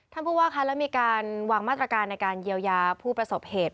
ผู้ว่าคะแล้วมีการวางมาตรการในการเยียวยาผู้ประสบเหตุ